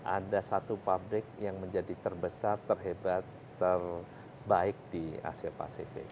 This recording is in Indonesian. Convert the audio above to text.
ada satu pabrik yang menjadi terbesar terhebat terbaik di asia pasifik